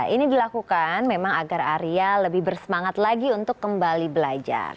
ini dilakukan memang agar arya lebih bersemangat lagi untuk kembali belajar